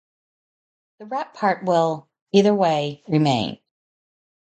The rap part will either way remain.